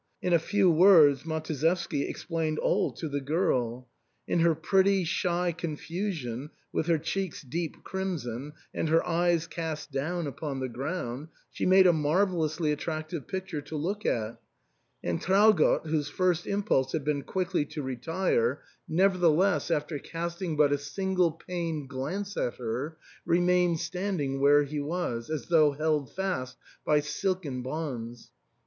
In a few words Matuszewski explained all to the girl. In her pretty shy confusion, with her cheeks deep crimson, and her eyes cast down upon the ground, she made a marvel lously attractive picture to look at ; and Traugott, whose first impulse had been quickly to retire, nevertheless, ARTHUR'S HALL, 353 after casting but a single pained glance at her, remained standing where he was, as though held fast by silken bonds.